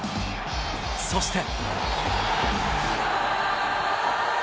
そして。